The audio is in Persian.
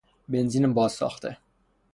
بنزین بازساخته